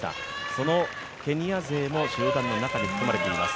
そのケニア勢も集団の中に含まれています。